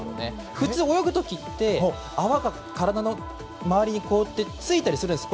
普通泳ぐ時って泡が体の周りについたりするんです。